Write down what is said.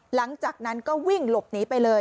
หลังจากนั้นก็วิ่งหลบหนีไปเลย